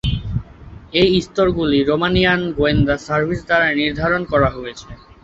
এই স্তরগুলি রোমানিয়ান গোয়েন্দা সার্ভিস দ্বারা নির্ধারণ করা হয়েছে।